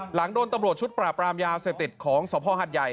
หลังโดนตำรวจชุดปราบรามยาเสพติดของสภหัดใหญ่